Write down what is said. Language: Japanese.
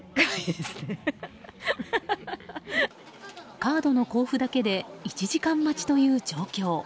カードの交付だけで１時間待ちという状況。